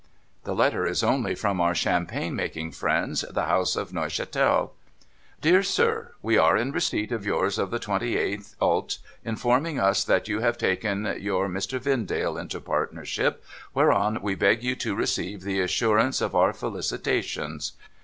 ' The letter is only from our champagne making friends, the house at Neuchdtel. " Dear Sir. We are in receipt of yours of the 28th ult., informing us that you have taken your Mr. Vendale into partner ship, whereon we beg you to receive the assurance of our felicitations.